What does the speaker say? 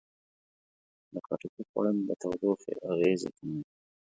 د خټکي خوړل د تودوخې اغېزې کموي.